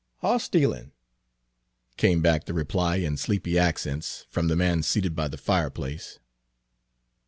"Hoss stealin'," came back the reply in sleepy accents, from the man seated by the fireplace.